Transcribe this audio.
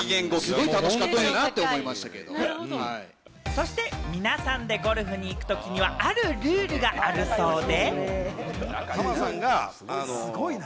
そして皆さんでゴルフに行くときには、あるルールがあるそうで。